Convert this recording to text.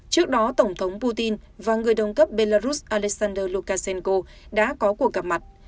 trước đó tổng thống putin và người đồng cấp belarus alexander lukashenko đã có cuộc gặp mặt